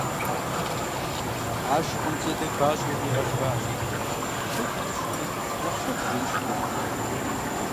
Ар ШыкъумцӀий едэхащӀэурэ иригъэшхащ, ипхуэдэу ищӀми нэхъ щӀэх жеину щыгугъыу.